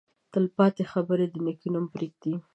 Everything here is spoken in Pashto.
تل پاتې خبرې نېک نوم پرېږدي.